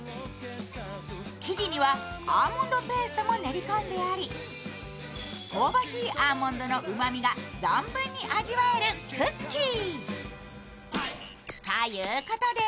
生地にはアーモンドペーストも練り込んであり、香ばしいアーモンドのうまみが存分に味わえるクッキー。